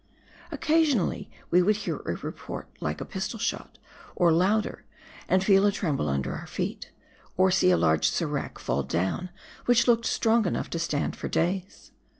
Occasionally we would hear a report like a pistol shot, or louder, and feel a tremble under our feet, or see a large serac fall down which looked strong enough to stand for days.